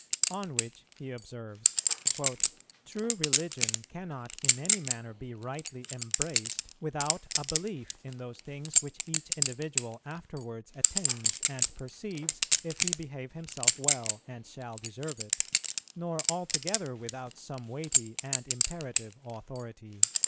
On which he observes, "True religion cannot in any manner be rightly embraced, without a belief in those things which each individual afterwards attains and perceives, if he behave himself well and shall deserve it, nor altogether without some weighty and imperative Authority."